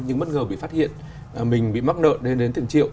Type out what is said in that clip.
nhưng bất ngờ bị phát hiện mình bị mắc nợ lên đến tiền triệu